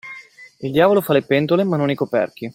Il diavolo fa le pentole ma non i coperchi.